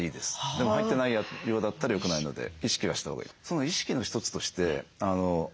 でも入ってないようだったらよくないので意識はしたほうがいい。